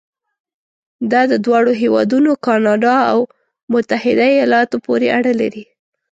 دا د دواړو هېوادونو کانادا او متحده ایالاتو پورې اړه لري.